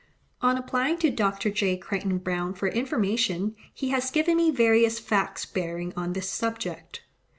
On applying to Dr. J. Crichton Browne for information, he has given me various facts bearing on this subject.